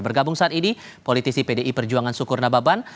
bergabung saat ini politisi pdi perjuangan sukur nababan